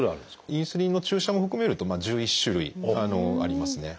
インスリンの注射も含めると１１種類ありますね。